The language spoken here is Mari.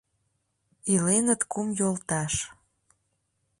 ИЛЕНЫТ КУМ ЙОЛТАШ